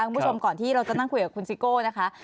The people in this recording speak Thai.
คุณผู้ชมก่อนที่เราจะนั่งคุยกับคุณซิโก้นะคะ